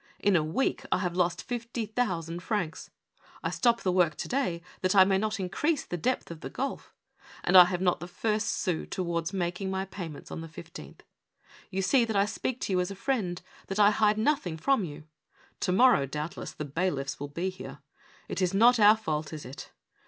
In a week I have lost fifty thousand francs. I stop the work to day that I may not increase the depth of the gulf, and I have not the first sou towards making my payments on the 15th. Ycu see that I speak to you as a friend — that I hide nothing from you. To morrow, doubtless, the bailiffs will be here. It is not our fault, is it?